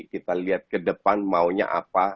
kita lihat ke depan maunya apa